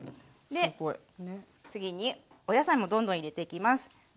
で次にお野菜もどんどん入れていきます。